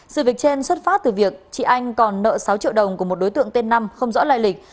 sự việc trên xuất phát từ việc chị anh còn nợ sáu triệu đồng của một đối tượng tên năm không rõ lại lịch